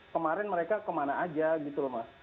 kemarin mereka kemana aja gitu loh mas